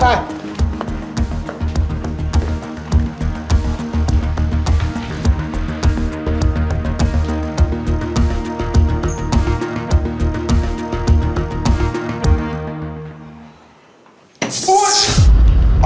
ไป